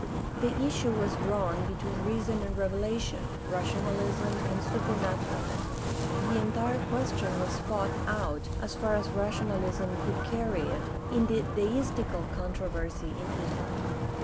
The issue was drawn between reason and revelation — ^rational ism and supernaturalism. The entire question was fought out, as far as rationalism could carry it, in the deistical con troversy in England.